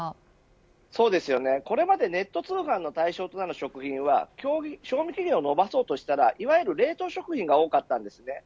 これまでネット通販の対象となる食品は賞味期限をのばそうとしたら冷凍食品が多かったんです。